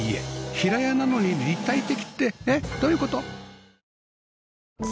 平屋なのに立体的ってえっどういう事？